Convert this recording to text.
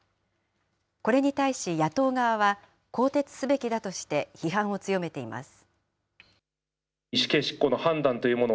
これに対し、野党側は、更迭すべきだとして批判を強めています。